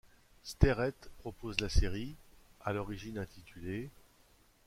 Sterrett propose la série ', à l'origine intitulé '.